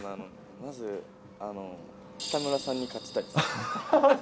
まず北村さんに勝ちたいですね。